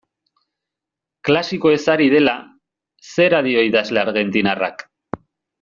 Klasikoez ari dela, zera dio idazle argentinarrak.